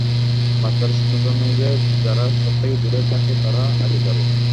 বাচ্চারা সিদ্ধান্ত নেয় যে যারা সবথেকে দূরে থাকে তারা আগে যাবে।